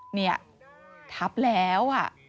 เนี่ยทับแล้ว